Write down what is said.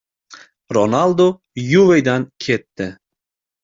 Ronaldu «Yuve»dan ketdi...